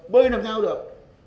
bơi làm sao được